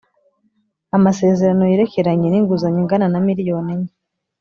Amasezerano yerekeranye n’inguzanyo ingana na miliyoni enye